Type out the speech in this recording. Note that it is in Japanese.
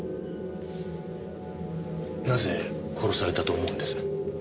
なぜ殺されたと思うんです？